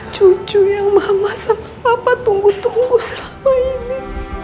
jujur yang mama sampe papa tunggu tunggu selama ini